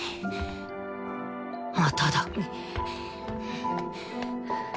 まただ